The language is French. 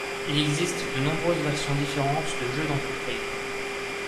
Il existe de nombreuses versions différentes de jeux d'entreprise.